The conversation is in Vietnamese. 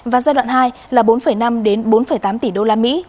và giai đoạn hai là bốn năm đến bốn tám tỷ usd